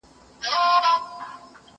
زه کولای سم لوبه وکړم؟!